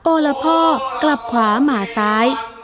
โอละพ่อกลับขวาหมาซ้าย